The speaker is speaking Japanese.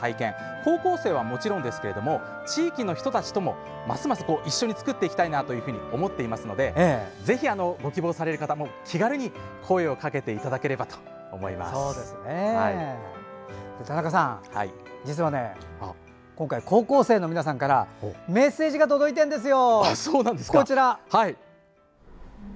高校生はもちろんですけれども地域の人たちともますます一緒に作っていきたいなと思っていますのでぜひ、ご希望される方気軽に声をかけていただければと田中さん、実は今回、高校生の皆さんからメッセージが届いているんですよ。